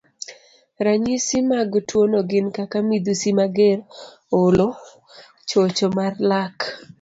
Ranyisi mag tuwono gin kaka midhusi mager, olo, chocho mar lak,